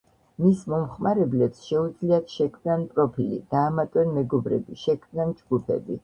მის მომხმარებლებს შეუძლიათ შექმნან პროფილი, დაამატონ მეგობრები, შექმნან ჯგუფები.